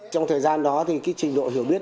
trong thời gian đó thì cái trình độ hiểu biết